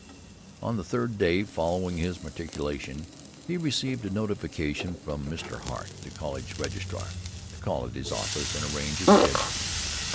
On the third day following his matriculation he received a notification from Mr. Hart, the college registrar, to call at his office and arrange his schedule.